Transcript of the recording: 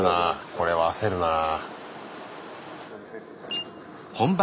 これは焦るなぁ。